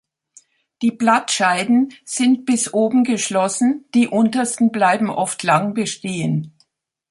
Die Blattscheiden sind bis oben geschlossen, die untersten bleiben oft lang bestehen.